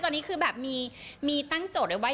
ตอนนี้คือแบบมีตั้งโจทย์ไว้